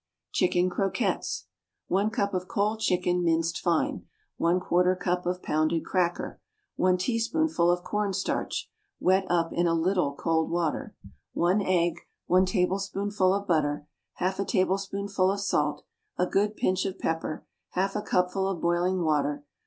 Chicken Croquettes. One cup of cold chicken, minced fine. One quarter cup of pounded cracker. One teaspoonful of cornstarch, wet up in a little cold water. One egg. One tablespoonful of butter. Half a tablespoonful of salt. A good pinch of pepper. Half a cupful of boiling water.